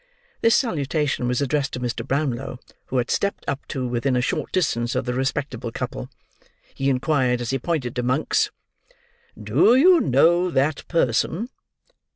This salutation was addressed to Mr. Brownlow, who had stepped up to within a short distance of the respectable couple. He inquired, as he pointed to Monks, "Do you know that person?"